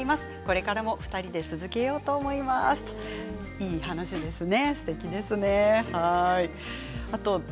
いい話ですね。